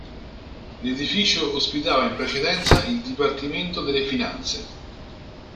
L'edificio ospitava in precedenza il Dipartimento delle Finanze.